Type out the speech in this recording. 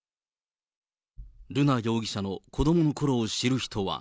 瑠奈容疑者の子どものころを知る人は。